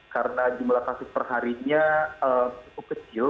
karena jumlah kasus perharinya cukup kecil